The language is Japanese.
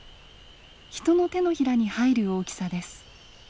人の手のひらに入る大きさです。